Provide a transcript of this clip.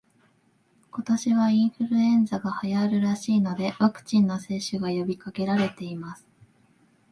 今年はインフルエンザが流行るらしいので、ワクチンの接種が呼びかけられています